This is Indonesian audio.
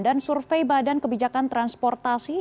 dan survei badan kebijakan transportasi